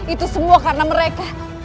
itu semua karena mereka